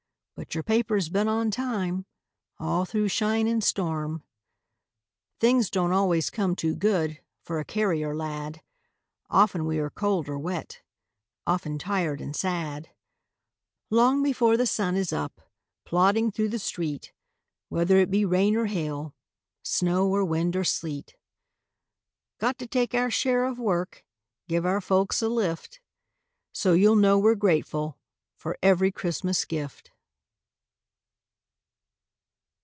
But your paper's been on time All through shine and storm. Things don't always come too good For a carrier lad. Often we are cold or wet, Often tired and sad. Long before the sun is up, Plodding through the street, Whether it be rain or hail, Snow or wind or sleet. Got to take our share of work, Give our folks a lift. So you'll know we're grateful for Every Christmas gift.